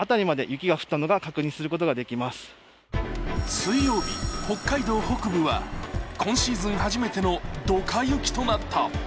水曜日、北海道北部は今シーズン初めてのドカ雪となった。